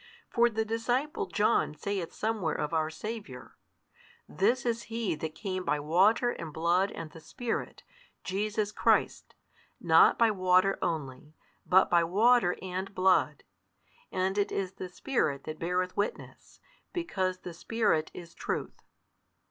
For the disciple John saith somewhere of our Saviour, This is He that came by water and blood and the spirit 3, Jesus Christ; not by water only, but by water and blood: and it is the Spirit That beareth witness, because the Spirit is Truth.